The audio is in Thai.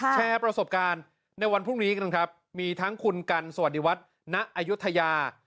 แชร์ประสบการณ์ในวันพรุ่งนี้กันครับมีทั้งคุณกันสวัสดีวัฒนอายุทยา